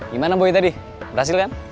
gimana boy tadi berhasil kan